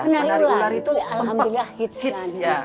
penari ular itu alhamdulillah hits kan